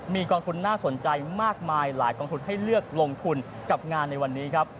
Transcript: มีกองทุนน่าสนใจมากมายหลายกองทุนให้เลือกลงทุนกับงานในวันนี้ครับ